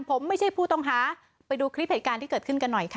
ผมไม่ใช่ผู้ต้องหาไปดูคลิปเหตุการณ์ที่เกิดขึ้นกันหน่อยค่ะ